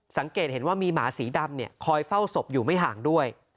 สังเกตเห็นว่ามีหมาสีดำคอยเฝ้าศพอยู่ไม่ห่างด้วย